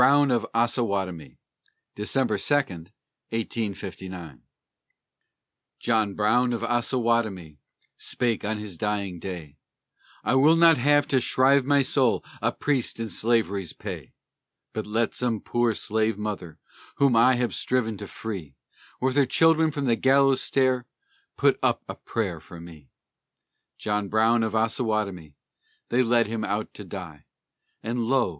BROWN OF OSSAWATOMIE [December 2, 1859] John Brown of Ossawatomie spake on his dying day: "I will not have to shrive my soul a priest in Slavery's pay. But let some poor slave mother whom I have striven to free, With her children, from the gallows stair put up a prayer for me!" John Brown of Ossawatomie, they led him out to die; And lo!